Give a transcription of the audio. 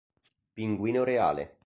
Pinguino reale